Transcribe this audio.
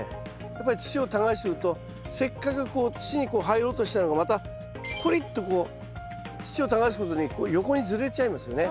やっぱり土を耕してるとせっかくこう土にこう入ろうとしたのがまたこりっとこう土を耕すごとに横にずれちゃいますよね。